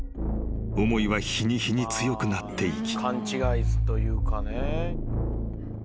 ［思いは日に日に強くなっていき］